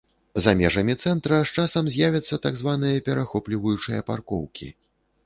За межамі цэнтра з часам з'явяцца так званыя перахопліваючыя паркоўкі.